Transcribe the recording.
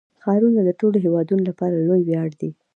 ښارونه د ټولو هیوادوالو لپاره لوی ویاړ دی.